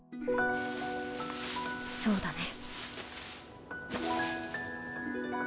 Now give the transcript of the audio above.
そうだね。